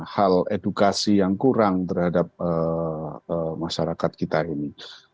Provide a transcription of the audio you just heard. hal edukasi yang kurang terhadap masyarakat kita ini